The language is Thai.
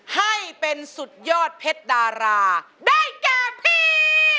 ให้เป็นสุดยอดเพชรดาราได้แก่พี่